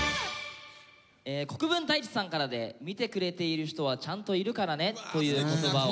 国分太一さんからで「見てくれている人はちゃんといるからね」という言葉を。